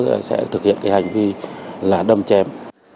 các cháu sẽ thực hiện cái hành vi là đâm chém